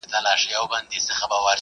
یوه ژبه یې ویل د یوه اېل وه